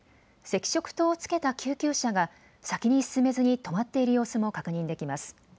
赤色灯をつけた救急車が先に進めずに止まっている様子も確認できます。